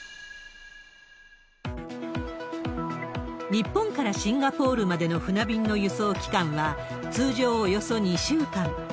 日本からシンガポールまでの船便の輸送機関は通常およそ２週間。